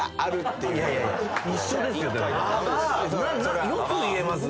よく言えますね。